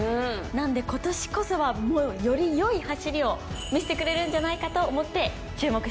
なんで今年こそはより良い走りを見せてくれるんじゃないかと思って注目しています。